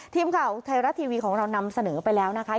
ทีมข่าวไทยรัฐทีวีของเรานำเสนอไปแล้วนะคะ